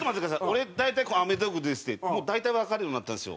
俺『アメトーーク』出てきて大体わかるようになったんですよ。